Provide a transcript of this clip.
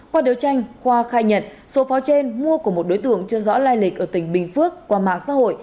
qua điều tranh khoa khai nhận số pháo trên mua của một đối tượng chưa rõ lai lịch ở tỉnh bình phước qua mạng xã hội